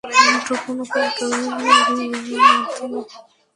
মুঠোফোন অপারেটর রবির মাধ্যমে বিভিন্ন ধরনের করপোরেট সেবা নেবে বেসরকারি ব্র্যাক ব্যাংক।